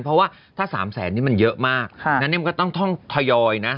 เพราะว่าถ้าสามแสนนี้มันเยอะมากค่ะอันนี้มันก็ต้องท้องทยอยนะ